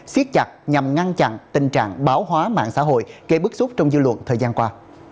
siết chặt nhằm ngăn chặn tình trạng báo hóa mạng xã hội gây bức xúc trong dư luận thời gian qua